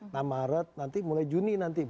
nah maret nanti mulai juni nanti